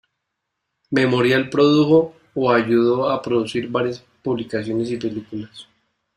Memorial produjo o ayudó a producir varias publicaciones y películas.